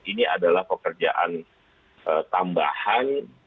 ini adalah pekerjaan tambahan